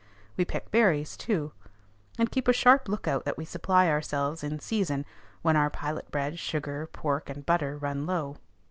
We pick berries too; and keep a sharp lookout that we supply ourselves in season when our pilot bread, sugar, pork, and butter run low.